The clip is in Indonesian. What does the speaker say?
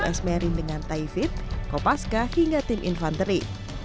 dan semerin dengan thai fit kopaska hingga tim infanteri